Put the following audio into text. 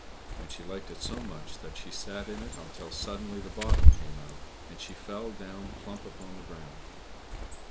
And she liked it so much that she sat in it until suddenly the bottom came out, and she fell down plump upon the ground.